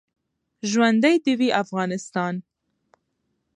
ژوندۍ د وی افغانستان